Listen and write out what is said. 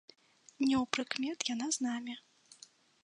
Неўпрыкмет яна з намі.